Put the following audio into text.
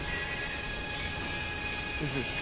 よしよし。